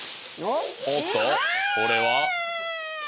おっとこれは？